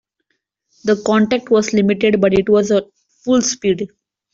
The contact was limited, but it was at full speed.